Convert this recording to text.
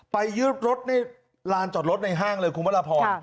ไปยึดรถนี่ร้านจอดรถในห้างเลยคุณพระราบพร